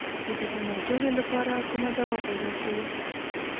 د دغې ناجوړې لپاره کومه دوا پیدا شوې.